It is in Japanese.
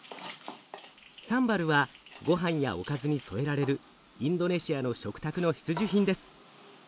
サンバルはごはんやおかずに添えられるインドネシアの食卓の必需品です。